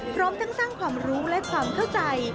พร้อมทั้งสร้างความรู้และความเข้าใจ